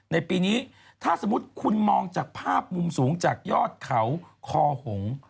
ในปีนี้ถ้าสมมุติคุณมองจากภาพมุมสูงจากยอดเขาคอหง